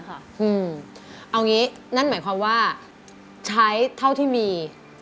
เอาอย่างนี้นั่นหมายความว่าใช้เท่าที่มี